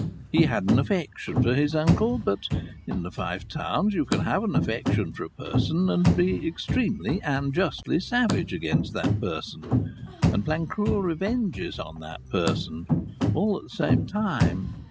He had an affection for his uncle, but in the Five Towns you can have an affection for a person, and be extremely and justly savage against that person, and plan cruel revenges on that person, all at the same time.